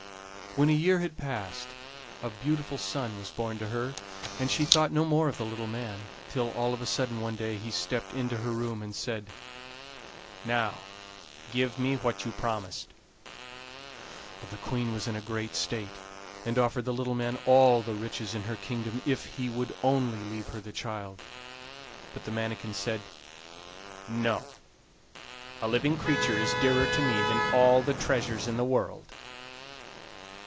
When a year had passed a beautiful son was born to her, and she thought no more of the little man, till all of a sudden one day he stepped into her room and said: "Now give me what you promised." The Queen was in a great state, and offered the little man all the riches in her kingdom if he would only leave her the child. But the manikin said: "No, a living creature is dearer to me than all the treasures in the world."